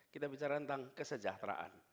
kita bicara tentang kesejahteraan